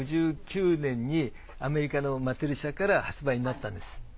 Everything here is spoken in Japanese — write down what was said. １９５９年にアメリカのマテル社から発売になったんです。